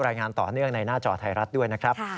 รายงานต่อเนื่องในหน้าจอไทยรัฐด้วยนะครับ